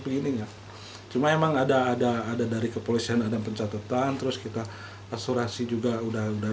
pilihnya cuma emang ada ada dari kepolisian ada pencatatan terus kita asuransi juga udah udah